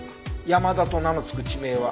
「山田」と名の付く地名は。